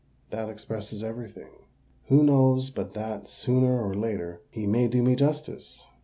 That expresses every thing. Who knows but that, sooner or later, he may do me justice?